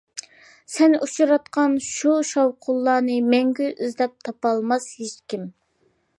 سەن ئۇچراتقان شۇ شاۋقۇنلارنى، مەڭگۈ ئىزدەپ تاپالماس ھېچكىم.